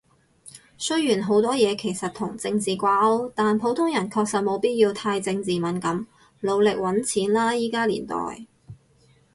雖然好多嘢其實同政治掛鈎，但普通人確實沒必要太政治敏感。努力搵錢喇依家年代